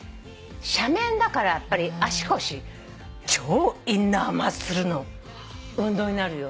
斜面だからやっぱり足腰超インナーマッスルの運動になるよ。